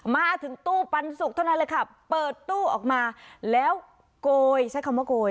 มาถึงตู้ปันสุกเท่านั้นเลยค่ะเปิดตู้ออกมาแล้วโกยใช้คำว่าโกย